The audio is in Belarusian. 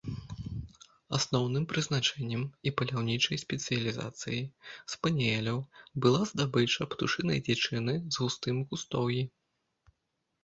Асноўным прызначэннем і паляўнічай спецыялізацыяй спаніэляў была здабыча птушынай дзічыны з густым кустоўі.